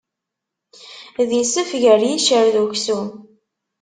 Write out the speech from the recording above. D isef gar yiccer d uksum.